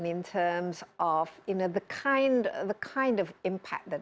dan dengan impak yang ingin anda lihat